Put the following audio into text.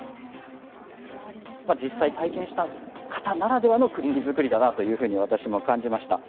実際、体験した方ならではのクッキー作りだなと私も感じました。